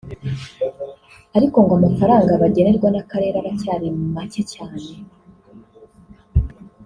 ariko ngo amafaranga bagenerwa n’akarere aracyari macye cyane